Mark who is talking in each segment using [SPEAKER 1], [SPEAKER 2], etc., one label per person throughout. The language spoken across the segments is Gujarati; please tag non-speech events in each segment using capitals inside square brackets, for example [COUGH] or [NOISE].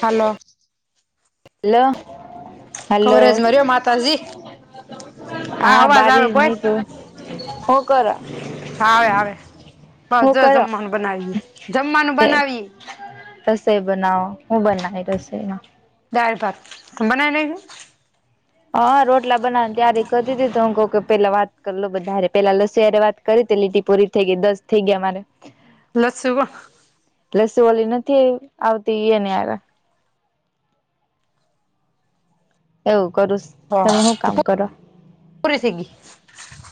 [SPEAKER 1] હલો.
[SPEAKER 2] હાલો.
[SPEAKER 1] ખબરે જર્યો માતાજી.
[SPEAKER 2] હા
[SPEAKER 1] અવાજ
[SPEAKER 2] બારી
[SPEAKER 1] આવે
[SPEAKER 2] જ
[SPEAKER 1] બોલ
[SPEAKER 2] નીકળી તો હું કરો?
[SPEAKER 1] હા આવે આવે બસ
[SPEAKER 2] હું
[SPEAKER 1] જો
[SPEAKER 2] કરો
[SPEAKER 1] જમવાનું બનાવીએ જમવાનું બનાવી
[SPEAKER 2] રસઈ બનાવો હું બનાવ્યુ રસોઈ મા.
[SPEAKER 1] દાળ-ભાત તમે બનાવી નાય્ખું?
[SPEAKER 2] હા રોટલા બનાવા ત્યારે કરીતી હતીી હું કહ પેલા વાત કરલો બધારે પેલા લસય્યારે વાત કરી તે લીટી પુરી થઈ ગઈ દસ થઈ ગયા મારે.
[SPEAKER 1] [UNINTELLIGIBLE]
[SPEAKER 2] લસ્સી ઓલી નથી આવતી ઈ ને આવ્યા. એવું કરુસુ.
[SPEAKER 1] કોણ
[SPEAKER 2] તમે શું
[SPEAKER 1] હા તો
[SPEAKER 2] કામ કરો
[SPEAKER 1] પૂરી થઈ ગઈ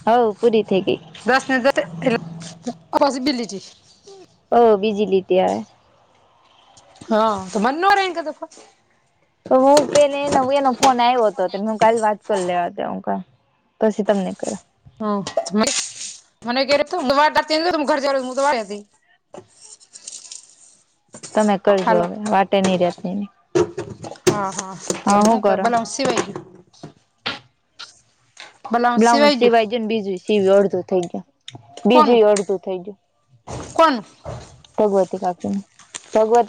[SPEAKER 2] હવ પૂરી થઈ ગઈ.
[SPEAKER 1] દસ મનટ જ એપોસિબિલીિટી [UNINTELLIGIBLE]
[SPEAKER 2] ઓ બીજ લી ત
[SPEAKER 1] હા તો મનેોર એ કદપ
[SPEAKER 2] હું પે એનો એનો ફોન આવ્યો હતો ત હું કાલે વાત કરી લેવા ત હું પછી તમને કહું.
[SPEAKER 1] હ મને ક ર ઘર જુંવા હતી. [INAUDIBLE]
[SPEAKER 2] તમે કરજો
[SPEAKER 1] હાલો
[SPEAKER 2] હવે વાટે નહી રહેતી.
[SPEAKER 1] હા હા તે હું ક
[SPEAKER 2] કરો
[SPEAKER 1] ભલે હું સિવાયયો. બલાઉ
[SPEAKER 2] બ્લાઉઝ
[SPEAKER 1] ગયું
[SPEAKER 2] સિવાય જ ને બીજું સીવી અડધો થઈ ગયા
[SPEAKER 1] કોનું
[SPEAKER 2] બીજું અડધું થઇ ગયું
[SPEAKER 1] કોનું
[SPEAKER 2] ભગવતી કાકીને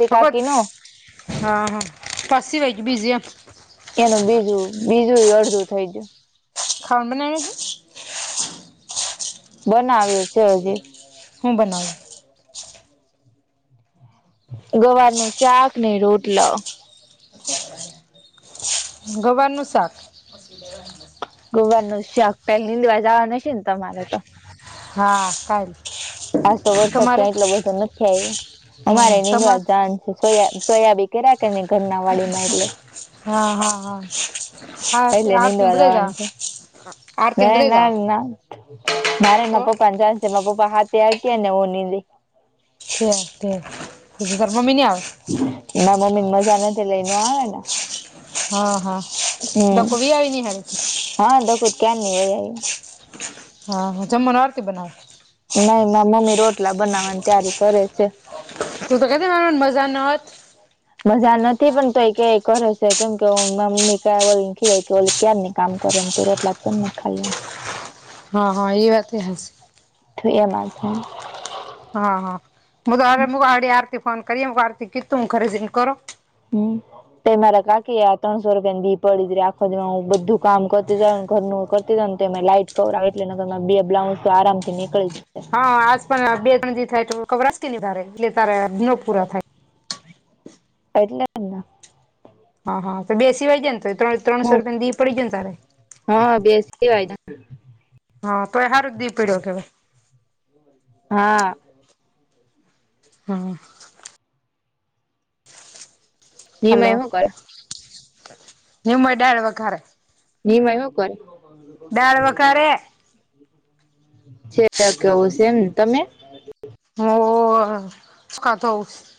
[SPEAKER 1] ભગવત હા હા પરછ વચ બીઝી એમ.
[SPEAKER 2] એનું બીજું બીજું અડધું થઈ ગયું.
[SPEAKER 1] ખમણે.
[SPEAKER 2] બનાવી હ છે હજી.
[SPEAKER 1] હું બનાવી.
[SPEAKER 2] ગવાર નું શાક ને રોટલો. [INAUDIBLE]
[SPEAKER 1] ગુવારનું શાક. [INAUDIBLE]
[SPEAKER 2] ગોવાનું શકટલ નીંદવા જવા ન શિનતા તમારે તો
[SPEAKER 1] હા કાલ.
[SPEAKER 2] આજ તો વરસાદ
[SPEAKER 1] તમારે
[SPEAKER 2] કાંઈ એટલો બધો નથી આયવો.
[SPEAKER 1] હમ તમાર
[SPEAKER 2] અમારેય તો સોયા સોયાબી કેરા કરે ઘરનાવ
[SPEAKER 1] હા, હા, હા.
[SPEAKER 2] એટલે નીંદવા જવાનું છે
[SPEAKER 1] [UNINTELLIGIBLE] આર
[SPEAKER 2] ના
[SPEAKER 1] તીન્દરેગા?
[SPEAKER 2] ના ના. મારેય માર પપ્પા [UNINTELLIGIBLE]
[SPEAKER 1] [UNINTELLIGIBLE] તારી મમ્મી નહીં આવે?
[SPEAKER 2] ના મમ્મી ને મજા નથી એટલે ઈ નો આવે ને.
[SPEAKER 1] હા, હા.
[SPEAKER 2] હમ
[SPEAKER 1] [UNINTELLIGIBLE]
[SPEAKER 2] હા, દક્કું તો ક્યાંર ની વઈ આયવી.
[SPEAKER 1] હા, હા. જમવાનું આરતી બનાવે?
[SPEAKER 2] નહીં માર મમ્મી રોટલા બનાવવાની તૈયારી કરે છે.
[SPEAKER 1] તું તો કેતી તી ને [UNINTELLIGIBLE] મજા નો હોત
[SPEAKER 2] મજા નથી પણ તોય કે કરે સે કેમ કે માર મમ્મી [UNINTELLIGIBLE] ઓલી ક્યાર ની કામ કરે છે એમ. રોટલા ત કર નાઈખ ખાલી એમ.
[SPEAKER 1] હા, હા એ વાત એય હાચી.
[SPEAKER 2] [UNINTELLIGIBLE]
[SPEAKER 1] હા, હા. [UNINTELLIGIBLE] આરતી કીધું ગરે જઈને કરો.
[SPEAKER 2] હમ્મ. તોય મારા કાકી આ ત્રણસો રૂપિયા ની બી પડી જ રહે, આખો દી માં હું બધું કામ જ કરતી જઉ, ઘર નુંય કર તી જાવ ને તો મેય લાઈટ કવર આવે એટલે નકર માર બે બ્લાઉઝ તો આરામથી નીકળી જ
[SPEAKER 1] હા આજ પણ બે ત્રણ દી થાય [UNINTELLIGIBLE] એટલે તારે નો પૂરા થાય.
[SPEAKER 2] એટલે જ ના.
[SPEAKER 1] હા, હા તો બે સિવાય જાયન તોય ત્રણસો
[SPEAKER 2] હું
[SPEAKER 1] રૂપિયાન દી પડી જાય ને તારે.
[SPEAKER 2] હા બે સિવાય જાય.
[SPEAKER 1] હા, તોય દી પડ્યો જ કહેવાય.
[SPEAKER 2] હા.
[SPEAKER 1] હા.
[SPEAKER 2] નિમય
[SPEAKER 1] હલો?
[SPEAKER 2] શું કરે
[SPEAKER 1] [UNINTELLIGIBLE] ડાળ વઘારે.
[SPEAKER 2] નિમય હું કરે?
[SPEAKER 1] ડાળ વઘારે.
[SPEAKER 2] છેક એવું સે એમ. તમે?
[SPEAKER 1] હું [UNINTELLIGIBLE]